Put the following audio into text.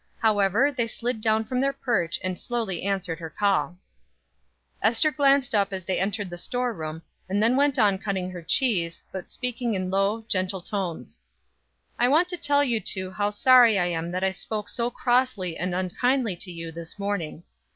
However, they slid down from their perch and slowly answered her call. Ester glanced up as they entered the storeroom, and then went on cutting her cheese, but speaking in low, gentle tones: "I want to tell you two how sorry I am that I spoke so crossly and unkindly to you this morning.